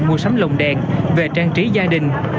mua sắm lồng đèn về trang trí gia đình